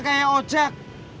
lu sama kayak ojak